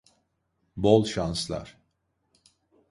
Bol şanslar.